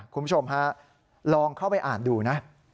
คุณผู้ชมฮะลองเข้าไปอ่านดูนะ